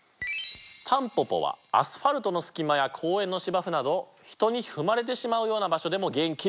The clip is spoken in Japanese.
タンポポはアスファルトの隙間や公園の芝生など人に踏まれてしまうような場所でも元気に育ちます。